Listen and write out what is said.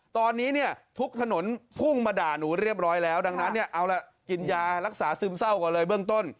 ตอนนี้เนี่ยทุกถนนพุ่งมาด่าหนูเรียบร้อยแล้วดังนั้นเนี่ยเอาล่ะกินยารักษาซึมเศร้าก่อนเลยเบื้องต้น